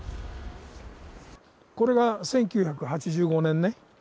これが１９８５年ね。